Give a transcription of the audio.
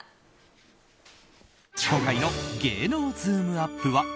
今回の芸能ズームＵＰ！は。